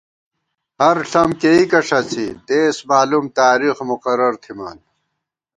ہر ݪم کېئیکہ ݭَڅی ، دېس مالُوم ، تارېخ مقرر تھِمان